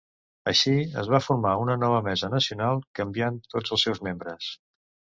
Així, es va formar una nova Mesa Nacional, canviant tots els seus membres.